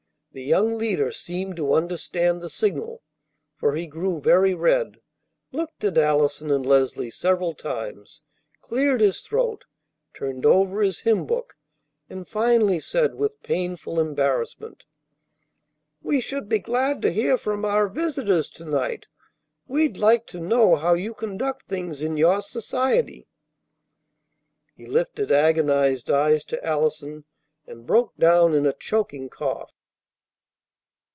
The young leader seemed to understand the signal; for he grew very red, looked at Allison and Leslie several times, cleared his throat, turned over his hymn book, and finally said with painful embarrassment: "We should be glad to hear from our visitors to night. We'd like to know how you conduct things in your society." He lifted agonized eyes to Allison, and broke down in a choking cough.